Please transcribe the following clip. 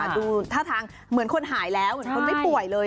ดูท่าทางเหมือนคนหายแล้วเหมือนคนไม่ป่วยเลย